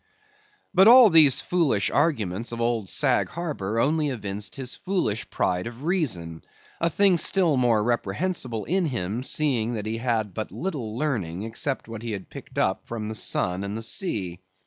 But all these foolish arguments of old Sag Harbor only evinced his foolish pride of reason—a thing still more reprehensible in him, seeing that he had but little learning except what he had picked up from the sun and the sea.